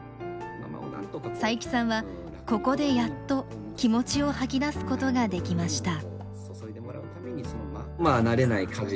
佐伯さんはここでやっと気持ちを吐き出すことができました。